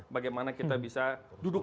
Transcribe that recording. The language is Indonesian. bagaimana kita bisa duduk